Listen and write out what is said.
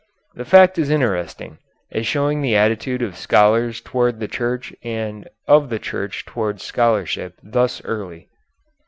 The fact is interesting, as showing the attitude of scholars towards the Church and of the Church towards scholarship thus early.